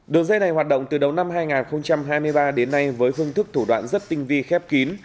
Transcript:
đường dây này hoạt động từ đầu năm hai nghìn hai mươi ba đến nay với phương thức thủ đoạn rất tinh vi khép kín